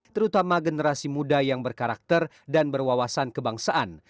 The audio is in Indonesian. terutama generasi muda yang berkarakter dan berwawasan kebangsaan